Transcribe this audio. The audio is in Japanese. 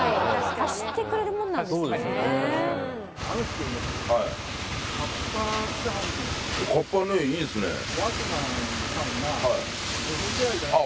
貸してくれるもんなんですねあっ